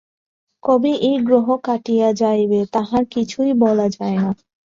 কবে এ গ্রহ কাটিয়া যাইবে তাহা কিছুই বলা যায় না।